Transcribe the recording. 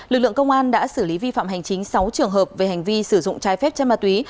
lực lượng công an đã xử lý vi phạm hành chính sáu trường hợp về hành vi sử dụng trái phép chất ma túy